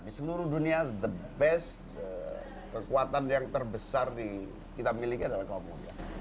di seluruh dunia the best kekuatan yang terbesar kita miliki adalah kaum muda